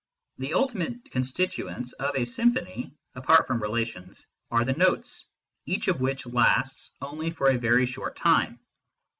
The ultimate constituents of a symphony (apart from relations) are the notes, each of which lasts only for a very short time.